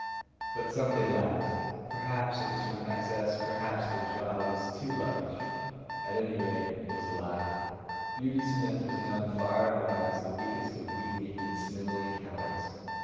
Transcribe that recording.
But something lacked. Perhaps it was from excess. Perhaps the jaw was too large. At any rate, it was a lie. Beauty Smith was known far and wide as the weakest of weak kneed and snivelling cowards.